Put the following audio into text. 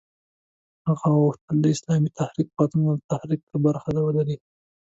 هغه غوښتل د اسلامي تحریک پاڅولو ترڅنګ برخه ولري.